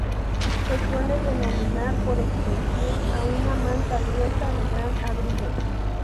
Se suele denominar por extensión a una manta gruesa, de gran abrigo.